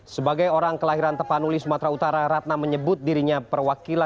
sebagai orang kelahiran tepanuli sumatera utara ratna menyebut dirinya perwakilan